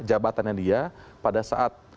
jabatannya dia pada saat